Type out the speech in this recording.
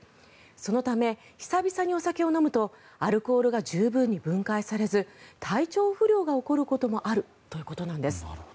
そのため、久々にお酒を飲むとアルコールが十分に分解されず体調不良が起こることもあるということなんです。